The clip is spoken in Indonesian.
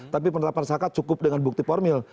tapi penetapan sakat cukup dengan bukti formil